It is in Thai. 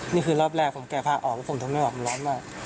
นี่คือรอบแรกผมแกะผ้าออกแล้วผมทนไม่ออกมันร้อนมาก